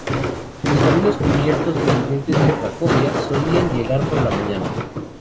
Los camiones cubiertos provenientes de Cracovia solían llegar por la mañana.